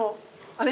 あれ？